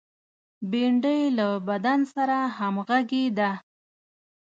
بېنډۍ له بدن سره همغږې ده